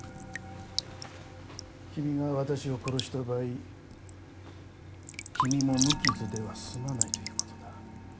君が私を殺した場合君も無傷では済まないという事だ。